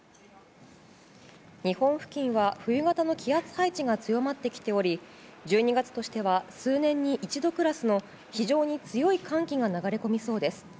日本付近は、冬型の気圧配置が強まってきており１２月としては数年に一度クラスの非常に強い寒気が流れ込みそうです。